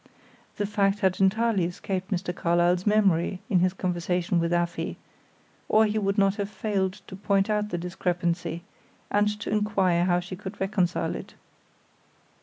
The fact had entirely escaped Mr. Carlyle's memory in his conversation with Afy, or he would not have failed to point out the discrepancy, and to inquire how she could reconcile it.